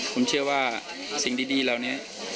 ผมเชื่อว่าสิ่งดีเหล่านี้